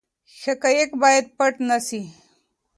حقایق باید پټ نه سي.